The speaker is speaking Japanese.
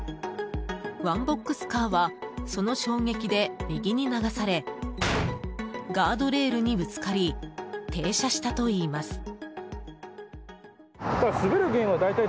ワンボックスカーはその衝撃で右に流されガードレールにぶつかり停車したといいます。